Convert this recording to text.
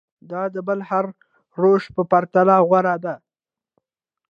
دا د بل هر روش په پرتله غوره ده.